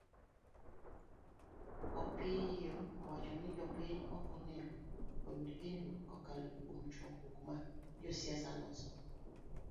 Opiyio wacho ni jopiny ok onego oyud hinyruok kokalo kuom chokruok ma josiasa loso.